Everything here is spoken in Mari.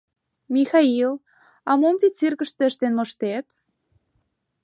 — Михаил, а мом тый циркыште ыштен моштет?